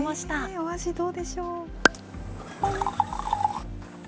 お味どうでしょう。